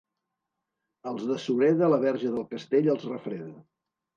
Als de Sureda la Verge del Castell els refreda.